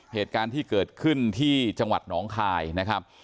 เหตุการณ์ที่เกิดขึ้นที่จังหวัดหนองคายนะครับ